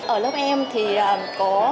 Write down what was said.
ở lớp em thì có